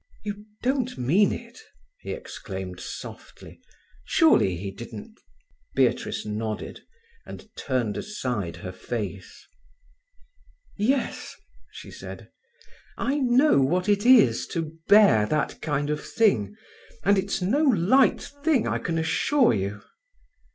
"You don't mean it!" he exclaimed softly. "Surely he didn't—?" Beatrice nodded, and turned aside her face. "Yes," she said. "I know what it is to bear that kind of thing—and it's no light thing, I can assure you."